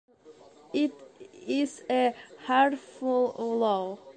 It is a harmful law.